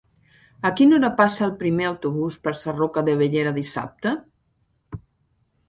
A quina hora passa el primer autobús per Sarroca de Bellera dissabte?